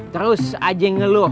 terus aja ngeluh